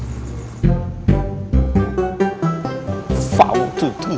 lumayan juga ini kot rambutan